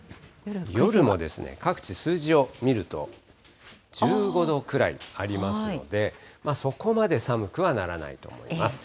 夜も各地、数字を見ると、１５度くらいありますので、そこまで寒くはならないと思います。